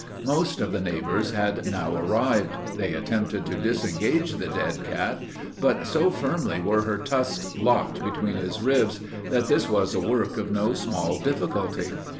Most of the neighbors had now arrived. They attempted to disengage the dead cat; but so firmly were her tusks locked between his ribs, that this was a work of no small difficulty.